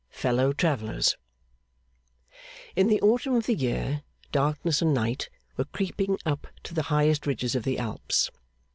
Fellow Travellers In the autumn of the year, Darkness and Night were creeping up to the highest ridges of the Alps.